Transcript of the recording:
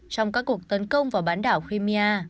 trong các cuộc tấn công vào bãn đảo crimea